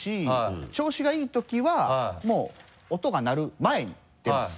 調子がいいときはもう音が鳴る前に出ます。